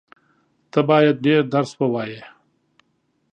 ته بايد ډېر درس ووایې.